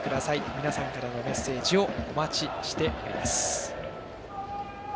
皆さんからのメッセージをお待ちしております。